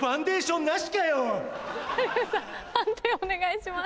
判定お願いします。